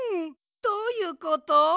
どういうこと？